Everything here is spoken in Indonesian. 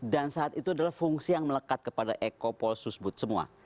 dan saat itu adalah fungsi yang melekat kepada eko pol susbut semua